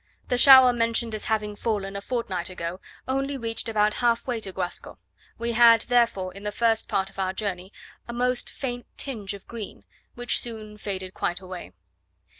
The shower mentioned as having fallen, a fortnight ago, only reached about half way to Guasco; we had, therefore, in the first part of our journey a most faint tinge of green, which soon faded quite away.